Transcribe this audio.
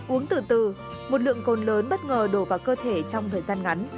uống từ từ một lượng cồn lớn bất ngờ đổ vào cơ thể trong thời gian ngắn